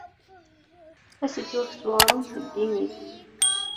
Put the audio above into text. Ad s-yettwakkes uɣrum deg imi-s.